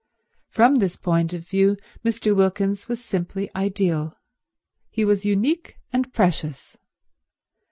From this point of view Mr. Wilkins was simply ideal; he was unique and precious.